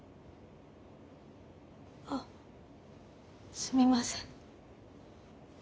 あすみません。